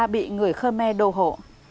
bị người khmer đồ hộ